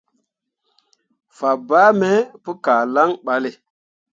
Fabaa me pu kah lan ɓale.